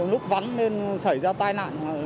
lúc vắng nên xảy ra tai nạn